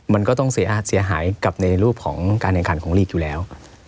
มันก็ต้องเสียหายกับในรูปของการแข่งขันของลีกอยู่แล้ว